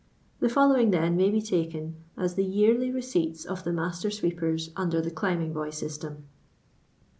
The following, then, may be taken as the — Yeakly Ki:i;r,i]'7s or the Master Sweepeus UM»i:!; THE Cli.mijinu Lov iSystem.